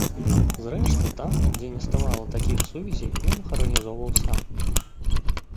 Зрэшты, там, дзе не ставала такіх сувязей, ён іх арганізоўваў сам.